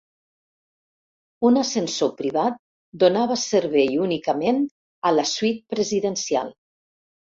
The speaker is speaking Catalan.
Un ascensor privat donava servei únicament a la suite presidencial.